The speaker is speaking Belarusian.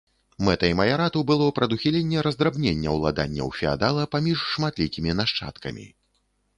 Мэтай маярату было прадухіленне раздрабнення уладанняў феадала паміж шматлікімі нашчадкамі.